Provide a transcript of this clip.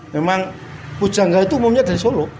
memang pujangga itu umumnya dari solo